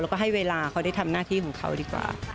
แล้วก็ให้เวลาเขาได้ทำหน้าที่ของเขาดีกว่า